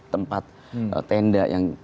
tempat tenda yang